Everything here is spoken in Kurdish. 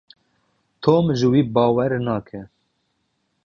Tom ji wî bawer nake.